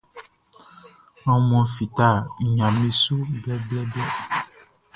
Aunmuanʼn fita nɲaʼm be su blɛblɛblɛ.